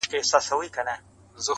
او راته وايي دغه.